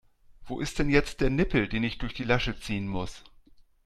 Wo ist denn jetzt der Nippel, den ich durch die Lasche ziehen muss?